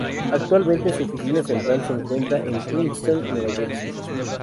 Actualmente, su oficina central se encuentra en Princeton, Nueva Jersey.